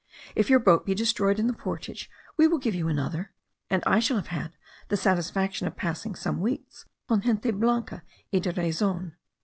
If your boat be destroyed in the portage, we will give you another; and I shall have had the satisfaction of passing some weeks con gente blanca y de razon."